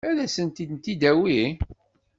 Ad sent-tent-id-tawi?